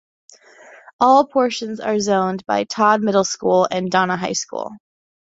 All portions are zoned by Todd Middle School and Donna High School.